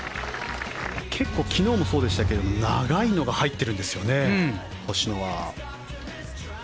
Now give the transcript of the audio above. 結構、昨日もそうでしたが長いのが入ってるんですよね星野は。